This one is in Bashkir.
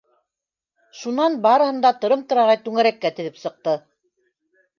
Шунан барыһын да тырым-тырағай түңәрәккә теҙеп сыҡты.